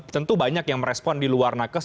tentu banyak yang merespon di luar nakes